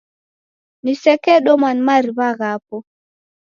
Nisekedomwa ni mariw'a ghapo